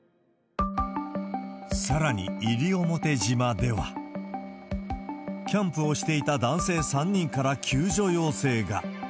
さらに、西表島では、キャンプをしていた男性３人から救助要請が。